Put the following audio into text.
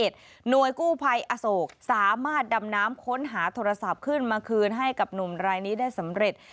หน่วยกู้ภัยอโศกสามารถดำน้ำค้นหาโทรศัพท์ขึ้นมาคืนให้กับหนุ่มรายนี้ได้สำเร็จ